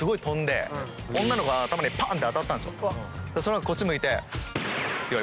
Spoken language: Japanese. その子がこっち向いて。